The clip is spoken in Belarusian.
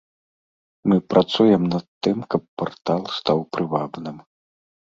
Мы працуем над тым, каб партал стаў прывабным.